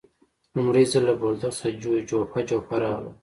لومړی ځل له بولدک څخه جوپه جوپه راغلل.